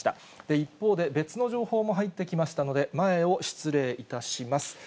一方で、別の情報も入ってきましたので、前を失礼いたします。